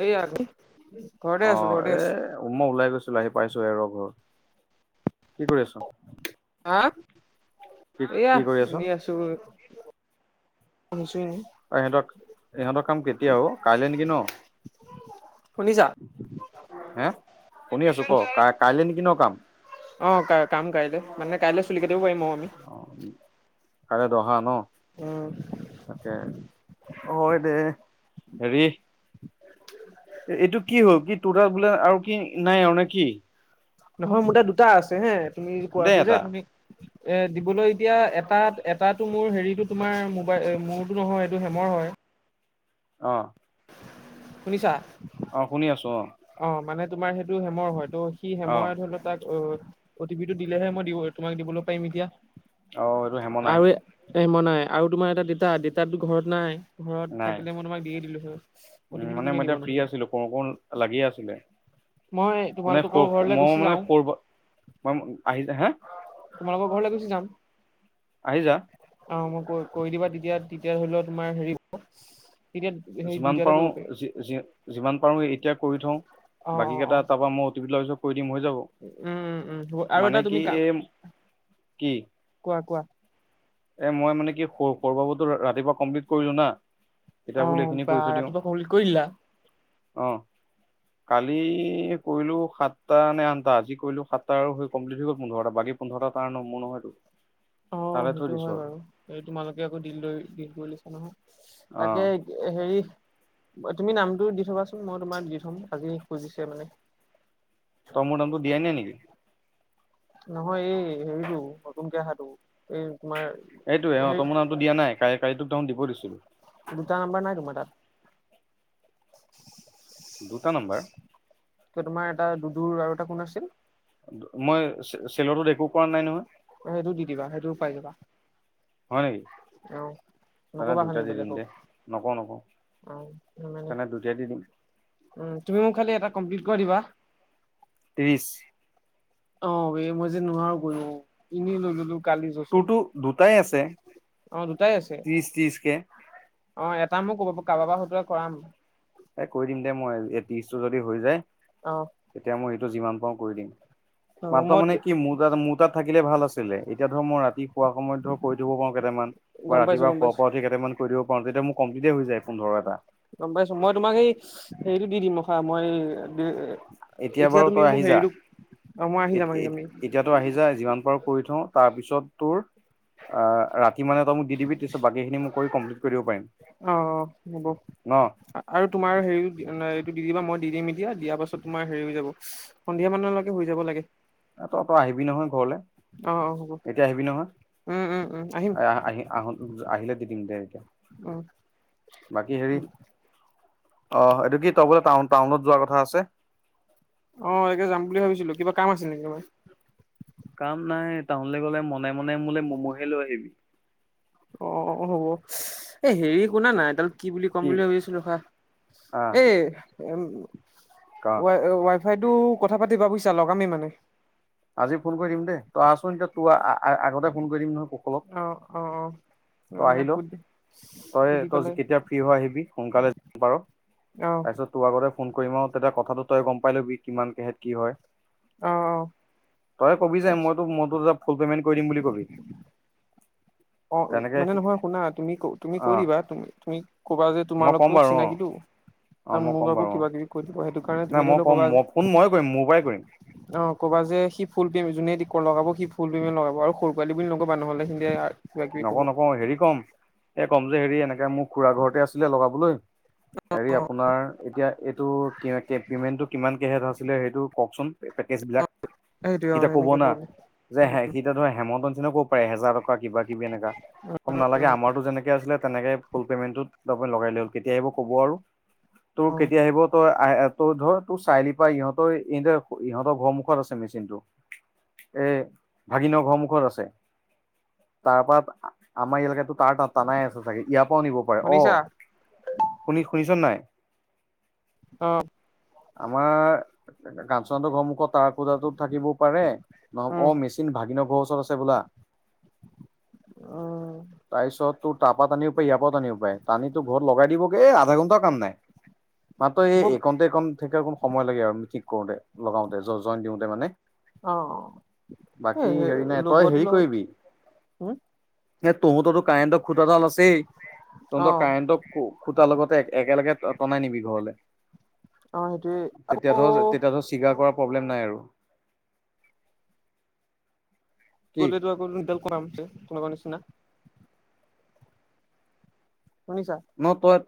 এইয়া ঘৰতে আছো অ' ঘৰতে এ আছো অকমান ওলাই গৈছিলো আহি পাইছো হে, ৰব। কি কৰি আছ? হা, কি এয়া কি কৰি আছ এনেই আছোঁ অ' ইহঁতৰ, ইহঁতৰ কাম কেতিয়া অ কাইলৈ নেকি ন? শুনিছা হে, শুনি আছোঁ ক? কাই কাইলৈ নেকি ন কাম। অ ক কাম কাইলৈ, মানে কাইলৈ চুলি কাটিব। পাৰিম আৰু আমি অ', কাইলৈ দহা ন? উ তাকে হয় দে, হেৰি খুৰা বোলে আৰু কি নাই আৰু নে কি? নহয় মোৰ তাত দুটা আছে হে তুমি দে কোৱাটো যে। এটা তুমি যে দিবলৈ এতিয়া এটাত এটাটো মোৰ হেৰিটো, তোমাৰ মোবাই মোৰটো নহয়। এইটো হেমৰ হয়। অ', শুনিছা, অ শুনি আছোঁ অ', অ মানে তোমাৰ সেইটো হেমৰ হয় ত সি হেমৰে ধৰি লও তাক অ অ' টি পি টো দিলেহে মই দিব তোমাক দিবলৈ পাৰিম এতিয়া অঁ এইটো হেমনাই আৰু এ মই নাই আৰু তোমাৰ এটা ডেতা ডেতাতো ঘৰত নাই ঘৰত থাকিলে মই তোমাক দি দিলো হ উ মানে মই এতিয়া ফ্ৰী আছিলো ক ক লাগিয় আছিলে মই মানে তোমালোকৰ ঘৰলৈ মই গুচি মানে যাওঁ কৰ'বাত মই আহি য হা তোমালোকৰ ঘৰলৈ গুচি যাম আহি যা অ মই কৰি দিবা তেতিয়া তেতিয়া ধৰি লও তোমাৰ হেৰি তেতিয়া হেৰি যিমান দুইটাতে পাৰো কৰিব পাৰি। যিমান পাৰো স এতিয়া কৰি থওঁ অ' বাকী অ' কেইটা অ' তাৰপা মই অতি এইবিলাক উম উম উম আৰু এটা কি তুমি কাম এই কোৱা কোৱা এ মই মানে কি স সৰু বাবতো ৰাতিপুৱা কমপ্লিট কৰিলো না এতিয়া অ বোলো এইখিনি বা কৰি থৈ দিওঁ ৰাতিপৱা হৌল কৰিলা অঁ কালি কৰিলো সাতটা নে আঠটা আজি কৰিলো সাতটা আৰু সেই কমপ্লিট হৈ গ'ল পোন্ধৰটা বাকী পোন্ধৰটা তাৰ ন মোৰ নহয়তটো অ সেইটো হয় বাৰু এই তোমালোকে আকৌ দিলৈ দিল কৰি লৈছা নহয় তাকে অঁ হেৰি তুমি নামটো দি থবাচোন মই তোমাক দি থম আজি খুজিছে মানে তমু তমটো দিয়াই নাই নেকি নহয় এই হেৰিতটো নতুনকহাটো এই এইটোৱে তোমাৰ অঁ হেই তই মোৰ নামটো দিয়া নাই কালি কালি তোক দেখোন দিব দিছিলোঁ দুটা নাম্বাৰ নাই তোমাৰ তাত [unintelligible] দুটা নাম্বাৰ তোমাৰ এটা দুডুৰ আৰু এটা কোন আছিল মই চেলতো একো কৰা নাই নহয় সেইটো দি দিবা সেইটো উপাই দিবা হয় নেকি? তনে নকবা খালি দুটাই দি দিম বেলেগক দে। নকওঁ, নকওঁ। অ মানে তেনে দুটাই দি দিম। উম, তুমি মোক খালি এটা কমপ্লিট কৰি দিবা। ত্ৰিশ। অঁ বে, মই যে নোৱাৰো কৰিব, এনেই লৈ গ'লো। কালি। তোৰতো দুটাই আছে [unintelligible] অ', দুটাই আছে। ত্ৰিশ ত্ৰিশ কে অঁ, এটা মোক ক'ব, কাৰোবাৰ সতে কৰাম। এ কৰি দিম দে মই। এই ত্ৰিশ টো যদি হৈ যায়, অ তেতিয়া মই এইটো যিমান পাৰো কৰি দিম। অ [unintelligible] মাত্ৰ মই মানে কি মোৰ তা, মোৰ তাত থাকিলে ভাল আছিলে। এতিয়া ধৰ মই ৰাতি শুৱা সময়ত ধৰ কৰি দিব পাৰো কেটামান। গম বা পাইছো ৰাতিপোৱা গম শুৱা পাইছো পৰা উঠি কেইটামান কৰি দিব পাৰো, তেতিয়া মোৰ কমপ্লিটেই হৈ যায় পোন্ধৰ কেতা। গম পাইছো মই তোমাক এই, হেৰিতটো দি দিম ৰখা, মই এ, এতিয়া তুমি মোক হেৰিটো অ মই আহি যাম এতি আহি যাম এই এতিয়াতো আহি যায়, যিমান পাৰো কৰি থওঁ। তাৰপিছত তোৰ ৰাতি মানে তই মোক দি দিবি, তাৰ বাকীখিনি মই কৰি কমপ্লিট কৰি দিব পাৰিম। অ', অ', হ'ব। ন আৰু তোমাৰ হেৰি এইটো দি দিবা, মই দি দিম এতিয়া, দিয়াৰ পাছত তোমাৰ হেৰি হৈ যাব, সন্ধিয়া মানলৈকে হৈ যাব লাগে। এই তই তই আহিবি নহয় ঘৰলৈ, অ অ হ'ব এতিয়া আহিবি উম উম উম আহিম নহয়। আহি আহ আহিল দি দিম দে। এতিয়া উম। অহ, এইটো কি তই বোলে টান টাউনত যোৱাৰ কথা আছে? অঁ [unintelligible] যাম বুলি ভাবিছিলো, কিবা কাম আছে নেকি তোমাৰ? কাম নাই, টাউনলৈ গ'লে মনে মনে মোলৈ মম' হে লৈ আহিবি। অ', হ'ব। এ হেৰি শুনা না, এডাল- কি বুলি ক'ম বুলি ভাবিছো ৰখা, আহ এই ক উ ৱ ৱ থাইতো কথা পাতিবা বুজিছা লগামে মানে আজি ফোন কৰি দিম দে, তই আ'চোন এতিয়া তোৰ আগতেই ফোন কৰি দিম নহয়। কুশলক অঁ, অঁ, অঁ। তই আহি ল, তই তই পেলাই কেতিয়া ফ্ৰী হ, আহিবি সোনকালে পাৰ। অ তাৰপিছত তোৰ আগতে ফোন কৰিম আৰু তেতিয়া কথাটো তই গম পাই লবি কিমান কেহত কি হয় অ অ তই কবি যে তাৰপিছত মইতো মইতো ফুল পেমেন্ট কৰি দিম বুলি কবি। অঁ, তেনেকে মানে নহয় শুনা তুমি তুমি অ কৈ দিবাু, তুমি কবা যে মই ক'ম তোমালোকো বাৰু অ চিনাকিটো। অ আৰু মই মোক ক'ম আকৌ বাৰু অ কিবা কিবি কয় দিব, সেইটো কাৰণে নাই তুমি মই ধৰি লোৱা ক'ম ক'বা যে মই - ফোন ময়ে কৰিম মোৰ পৰাই কৰিম অ', ক'বা যে সি ফুল পেম, যোনে লগাব সি ফুল পেমেণ্ট লগাব আৰু সৰু পোৱালী বুলি নকবা নহলে হেটে নকও নকও, হেৰি কম, এই ক'ম যে হেৰি এনেকে মোৰ খুৰা ঘৰতে আছিলে লগাবলৈ। হেৰি আপোনাৰ এতিয়া এইটো কে কে পেমেণ্টটো কিমানকেহে আছিলে সেইটো কওকচোন পেকেজ বিলাক। সেইটোৱে সি অ এতিয়া ক'ব সেনেকে না কলে যে হে সি এতিয়া ধৰ হেম ক'ব পাৰে এ হেজাৰ টকা কিবা কিবি এনেকা। কম নালাগে আমাৰতো যেনেকে আছিলে তেনেকে ফুল পেমেন্টটোত তপ লগাই ললে হল। কেতিয়া আহিব কব আৰু। তোৰ অ কেতিয়া আহিব তই আহ তই ধৰ তোৰ চাৰিলি পৰা ইহঁতৰ এ ইহঁতৰ ঘৰ মুখত আছে মেচিনটো। এ ভাগিনৰ ঘৰৰমুখত আছে। তাৰ পৰা আমাৰ এলেকাটো তাৰ তাত টানাই আছে চাগে ইয়াৰ পৰাও নিব পাৰে। শুনিছা অ', শুনি শুনিছ নাই? অঁ। আমাৰ [unintelligible] হতৰ ঘৰৰ মুখত তাৰ [unintelligible] টোত থাকিব পাৰে নহ, উম অ', মেচিন ভাগিনৰ ঘৰৰ ওচৰত আছে বোলা। উম তাৰপিছত তো তাৰ পৰা টানিবও পাৰি, ইয়াৰ পৰা টানিও পাৰে। টানি তোৰ ঘৰত লগাই দিবগে, এ আধা ঘণ্টাও কাম নাই। মাত্ৰ এই হ'ব একণতে এইকণ থে অ কণ সময় লাগে আৰু ঠিক কৰোঁতে। লগাওঁতে, জ জইন দিওঁতে মানে অ এ বাকী হেৰি নাই তই লগোৱাটো হেৰি লগত কৰিবি- হম এ তহঁততো কাৰেন খুটা দাল আছেই তহ অ ত কাৰেণ্টটো খুটাৰ লগতে একেলগে টনাই নিবি ঘৰলে অ সেইটোৱে আকৌ তেতিয়া ধৰ তেতিয়া ধৰ চিগাৰ কৰা ন আৰু কি গলেতো আকৌডাল কৰাম হৈছে কোনোৱা নিচিনা। শুনিছা।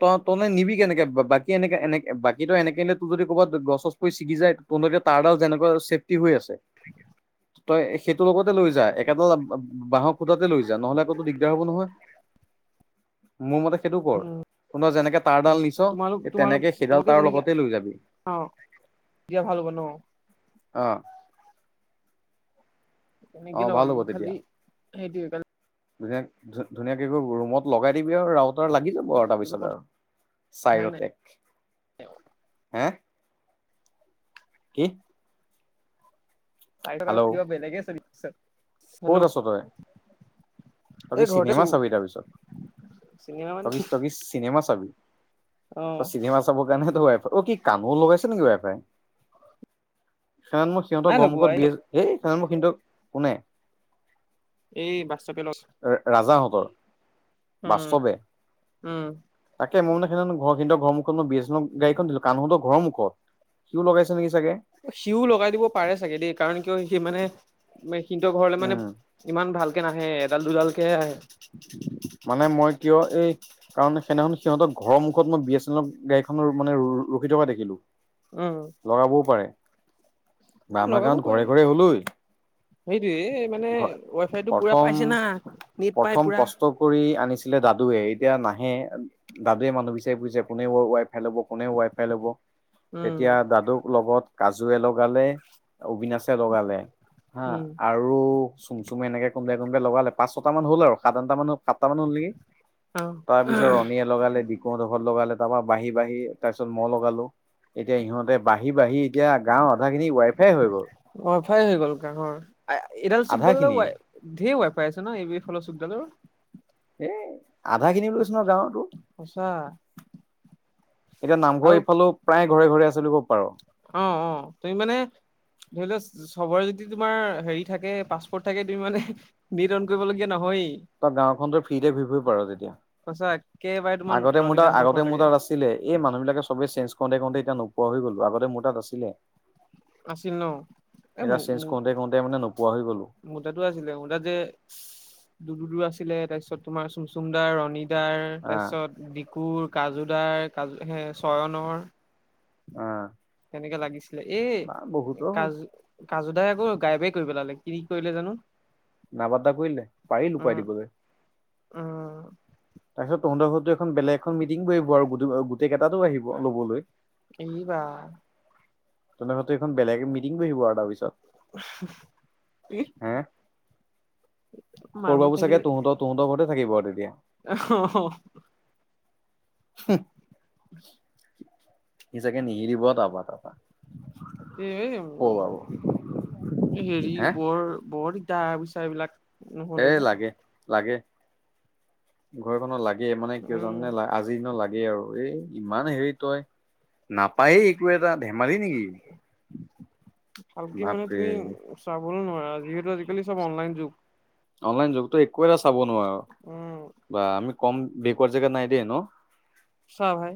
ত তনে নিবি কেনেকে বা বাকী এনেকে এনেক বাকী তো এনেক তোৰ যদি ক'বাত- গছ গছ পৰি ছিগি যায় ত তাঁৰডাল যেনেকুৱা চেফটি হৈ আছে তই। তোৰ লগতে লৈ যা একেডাল বাঁহক খোটাতে লৈ যা নহলে আকৌতো দিগদাৰ হ'ব নহয়। মোৰ মতে সেইটো কৰ- কো যেনেকে তাঁৰ ডাল নিছ তোমালোক তোমালোক তেনেকে সেইডাল তাৰ লগতে লৈ যাবি। দিয়া ভাল ব নো। অহ। এনে গিল ব ম খালি সেইটালি- ধুন ধ ধুনীয়াকে ৰুমত লগাই দিবি আৰু ৰাত আৰু লাগি যাব- বৰ তাৰ পিছত কথাই নাই আৰু [unintelligible] হ্য কি? নাই হেল্ল' কিবা বলেগে চলিছে। ক'ত আছ তই? তক এই ঘৰতে চিনেমা আছো চাবি তাৰপিছত চিনেমা ত মানে ত চিনেমা চাবি- অ চিনেমা চাবৰ কাৰণে ৱাই ফাই অ কি কামো লগাইছে নেকি ৱাই ফাই? চয়ন্মক সিহঁতৰ নাই লগোৱা ঘৰমুখত এই বিছে হেই চয়ন্ম কিন্তু কোনে এ বা ৰা ৰাজাসকল উম উম হে মোন সেইজন ঘৰকিন্তৰ ঘৰ মুখত মই বি এছ চেনেলৰ গড়ীখন দিলো কানুহতৰ ঘৰ মুখত জুই লগাইছে নেকি চাগে সিও লগাই দিব পাৰে চাগে দেই কাৰণ কিয় সি মানে কিন্ত ঘৰলে মানে উম ইমান ভালকে নাহে এডাল দুডাল কেহে আহে মানে মই কিয় এই কাৰণ সেইদিনাখন সিহঁতক ঘৰৰ মুখত মই বি এছ চেনেলৰ গাড়ীখন মানে ৰ ৰখি থকা দেখিলো উম লগাবও পাৰে বা আমাৰ লগাব গাৱত পাৰে ঘৰে ঘৰে হল ঐ সেইটোয়ে মানে ৱাই ফাই টো পুৰা প্ৰথম পাইছে না নেট পাই পুৰা ই আনিছিলে দাদুৱে এতিয়া নাহে দাদুৱে মানুহ বিচাৰি ফুৰিছে কোনে ৱ ৱাই ফাই ল'ব কোনে ৱাই ফাই ল'ব উম তেতিয়া দাদু লগত কাজু এ লগালে অবিনাশে লগালে হা উম আৰু চুম চুম এনে কোনবাই কোনোবাই লগালে পাচঁ ছটা মান হ'ল আৰু সাত আঠটা মান আঠটা মান হল নেকি তাৰ অ পিছত ৰণীয়ে লগালে দীঘডু মত লগালে তাৰ পৰা বাঢ়ি বাঢ়ি তাৰ পিছত মই লগালো এতিয়া সিহঁতে বাঢ়ি বাঢ়ি এতিয়া গাঁৱৰ আধা খিনি ৱাইফাই হৈ গ'ল ৱাইফাই হৈ গ'ল গাঁৱৰ আ এডাল চুক আধা ডালে খিনি ৱাইা ধেৰ ৱাই পাইছে ন ই বি এছ ফলৰ চুকদাযোৰ আধা খিনি লচ সঁচা এতিয়া নামঘৰ আৰু ইফালেও প্ৰায় ঘৰে ঘৰে আছে বুলি ক'ব পাৰ অ অ তুমি মানে ধৰি লোৱা চ চবৰে যদি তোমাৰ হেৰি থাকে পাছপৰ্ট থাকে তুমি মানে নেট অন কৰিবলগীয়া নহয়েই তই গাওখনতো ফ্ৰীতে ঘুৰি ফুৰিব পাৰ সঁচা একেবাৰে তেতিয়া তোমাৰ আগতে মোৰ তাৰ ৰণীদাহঁতৰ আগতে মোৰ ঘৰলৈকে তাত আছিলে এই মানুহ বিলাকে চবে চেঞ্জ খওঁতে খওঁতে এতিয়া নোপোৱা হৈ গ'লো আগতে মোৰ তাত আছিলে আছিল ন এ এতিয়া মো চেঞ্জ মো কৰোতে কৰোতে মানে নোপোৱা হৈ গ'লো মোৰ তাতো আছিলে মোৰ তাত যে দু দূৰ আছিল ছিলে তাৰ পিছত তোমাৰ চুমচুমদাৰ ৰণীদাৰ আহ তাৰপিছত ডিকুৰ কাজু দাৰ কাজু হে চয়নৰ আহ তেনেকে লাগিছিলে এই বা বহুতৰ হ'ল। কাজ কাজু দাই আকৌ গায়েৱবে কৰি পেলালে কি কৰিলে জানো নাপাট্টা কৰি দিলে পাৰি লুকুৱাই উম দিবলৈ উম তাৰপিছত তহঁতৰ ঘৰতো যে এখন বেলেগ এখন মিটিং কৰিব আৰু গোটেই গোটেই কেইটাতো আহিব লবলৈ এই বা তোৰ লগতে এখন বেলেগে মিটিং কৰিব আৰু তাৰ পিছত এই হে সৰু বাবু চাগে তহঁতৰ তুহঁতৰ ঘৰতে থাকিব আৰু তেতিয়া হ হ সি চাগে নিসিলিব তাৰপা তাৰপা এ সৰু বাবু এই হেৰি হে বৰ বৰ তাৰ পিছত এইবিলাক এ নহ'লে যে লাগে লাগে ঘৰখনত লাগে। লাগে মানে কিয় উম জনে আজিনো লাগে আৰু এই ইমান হেৰি তই নাপায়েই একো এটা ধেমালি নেকি ভালকে মানে বাপৰে তুমি চাবলৈ নোৱাৰা যিহেতু আজিকালি চব অনলাইন যুগ। অনলাইন যুগতো একো এটা চাব নোৱাৰো উম বা আমি কম বেকৱাৰ জেগাত নাই দিয়ে ন। চাহ ভাই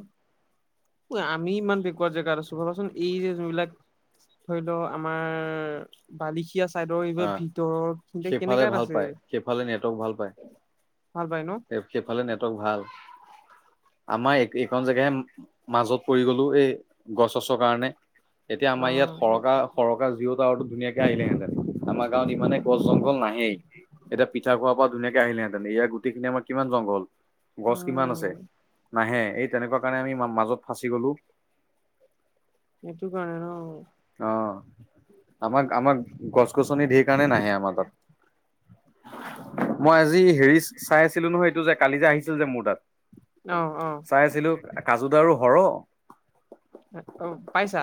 আমি ইমান বেকোৱাৰ জেগা আছো ভাবাচোন এই যে যোনবিলাক ধৰি লও আমাৰ বালি এতিয়া চাইডৰ এইবাৰ অ ভিতৰৰতে সেইফালে কেনেকাত ভাল আছে। পায় সেইফালে নেটৱৰ্ক ভাল পায় ভাল পাই ন সেইফালে নেটৱৰ্ক ভাল। আমাৰ এইখন জেগাইে মাজত পৰি গলো এই গছ চছৰ কাৰণে। এতিয়া আমাৰ ইয়াত অ সৰকা সৰকা জিঅ' টাৱাৰ‌ ধুনীয়াকে আহিলেহেঁতে আমাৰ গাঁৱত ইমানে কল জংঘল নাহেই এতিয়া পিঠা খোৱাৰ পৰা ধুনীয়াকে আহিলেহেঁতেন ইয়াৰ গোটেইখিনি আমাৰ কিমান জংঘল। গছ কিমান আছে উম, নাহে এই তেনেকুৱা কাৰণে আমি মাজত ফাঁচি গলো। এইটো কাৰণে ন। অহ আমাক আমাক গছ গছনি ধেৰ কাৰণে নাহে আমাৰ তাত। মই আজি হেৰি চাই আছিলো নহয় এইটো যে কালি যে আহিছিল যে মোৰ তাত অ', অ', চাই আছিলো। কাজু দাৰু সৰ অ পাইছা?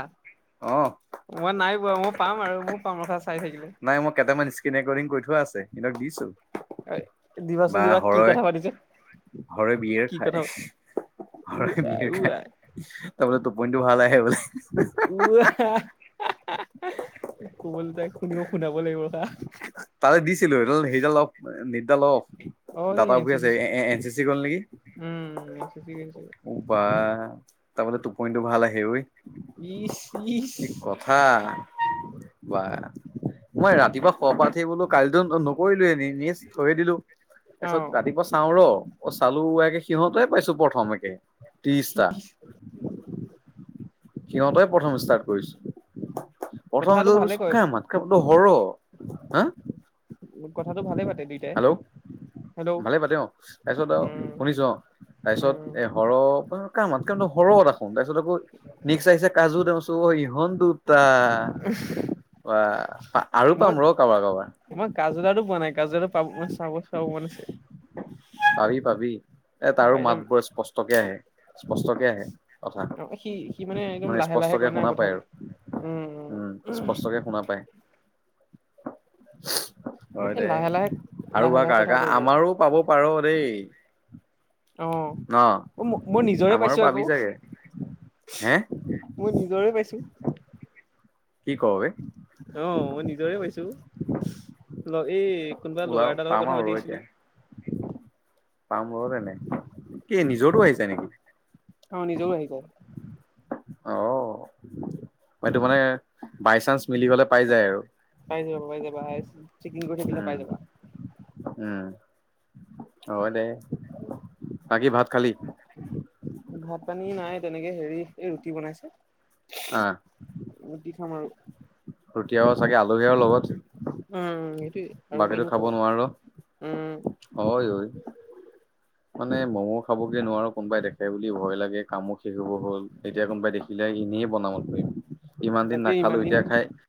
মই নাই বোৱা মই পাম আৰু মোৰ পাম ৰস চাই থাকিলে। কেইটান স্ক্ৰীণ ৰেকৰ্ডিং কৰি থোৱা আছে সিহঁতক দিছো। দিবাচোন বা দিবা কি হৰৈ কথা পাতিছে, হৰৈ বিয়েৰ কি কথা খায়। উ হৰৈ আই বিয়েৰ উ আই খাই তাৰ বোলে টোপনিটো ভাল আহে উ আই বোলে। কবলৈ যাই শুনিব শুনাব লাগিব হা। ছিলো সডাল সেইডাল অ নিদডাল অ অ', এই দাটা এন উৰি চি আছে এ-এ-এন চি চি গল নেকি উম, এন চি চি গৈছে। বা তাৰ বোলে টোপনিটো ভাল আহে ঐ। ইছ কি কথা বা মই ৰাতিপুৱা শুৱা পা উঠি বোলো কালিতো নকৰিলো এ নিজ থৈয়ে দিলো। তাৰপিছত অ', ৰাতিপুৱা চাওঁ ৰ। চালো একে সিহঁতে পাইছো প্ৰথম একে ত্ৰিশটা। সিহঁতেই প্ৰথম ষ্টাৰ্ট কৰিছো প্ৰথম কথাটো এইডাল ভালে কয়, কাৰ মাত বোলো হৰ। হা? কথাটো ভালে পাতে দুইটাই। হেল্ল' হেল্ল' ভালে পাতে অ' তাৰপিছত আহ উম, শুনিছো অ' তাৰপিছত উম, এ হৰ কাৰ মাত [unintelligible] হৰ দেখোন। তাৰপিছত আকৌ মিক্স আহিছে কাজু দেখিচো অ' ইহঁত দুটা। আ বাহ! আৰু পাম মই ৰ কাৰোবাৰ কাৰোবাৰ মই কাজু দাৰটো পোৱা নাই কাজু দাৰটো ৰ পাব চাব চাব মন আছে। পাবি পাবি এ তাৰো পাই যাম। মাতবোৰ স্পষ্টকে আহে স্পষ্টকে আহে। কথা অ সি সি একদম মানে লাহে লাহে স্পষ্টকে কয় না শুনা পাই আৰু। কথাবিলাক উম, স্পষ্টকে শুনা পাই। হয় এই দে। লাহে লাহে আৰু লাহে বা লাহে কাৰ কথা কাৰ কয় বৰ আমাৰো পাব পাৰ দেই। ন অ', ম-মই নিজৰে আমাৰো পাইছো আকৌ। পাবি চাগে হে মই নিজৰে পাইছো। কি ক' বে? অ', মই নিজৰে পাইছো। ল এই কোনোবা ওলাও ল'ৰা এটাৰ লগত পাম কথা আৰু পাতি ৰ এতিয়া আছিলো। পাম ৰ'হ তেনে, কি নিজৰতো আহিছে নেকি? অ নিজৰো আহি যায় অ', এইটো মানে বাই চান্স মিলি গ'লে পাই যায় আৰু। পাই যাব পাই যাবা হায়েচ চেকিং কৰি থাকলে উম, পাই যাবা। উম। হয় দে, বাকী ভাত খালি? ভাত পানী নাই তেনেকে হেৰি এই ৰুটি বনাইছে। অহ, ৰুটি খাম আৰু ৰুতি আৰু চাগে আলহী আৰু লগত। উম সেইটোৱে আৰু বাকীতো কিনো খাব খাবা নোৱাৰো, উম হয় অই। মানে ম'মো খাবগে নোৱাৰো কোনোবাই দেখে বুলি ভয় লাগে। কামো শেষ হ'ব হ'ল এতিয়া কোনোবাই দেখিলে এনেই বনাও পৰিম ইমান দিন তাকে ইমান নাখালো এতিয়া খাই